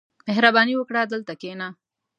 • مهرباني وکړه، دلته کښېنه.